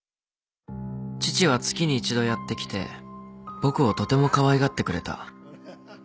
父は月に一度やって来て僕をとてもかわいがってくれた。